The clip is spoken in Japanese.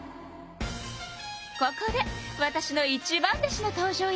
ここでわたしの一番弟子の登場よ。